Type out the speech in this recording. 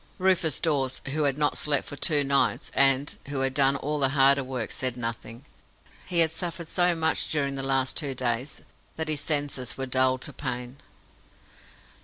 Rufus Dawes, who had not slept for two nights, and who had done all the harder work, said nothing. He had suffered so much during the last two days that his senses were dulled to pain.